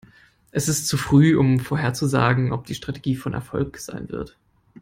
Es ist zu früh, um vorherzusagen, ob die Strategie von Erfolg sein wird.